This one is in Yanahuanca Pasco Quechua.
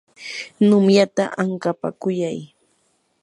numyata ankapakuyay.